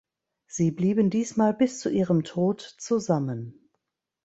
Sie blieben diesmal bis zu ihrem Tod zusammen.